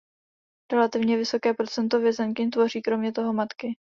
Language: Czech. Relativně vysoké procento vězenkyň tvoří kromě toho matky.